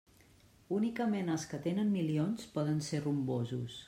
Únicament els que tenen milions poden ser rumbosos.